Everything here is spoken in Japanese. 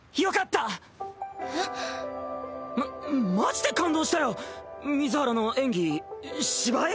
ママジで感動したよ水原の演技芝居？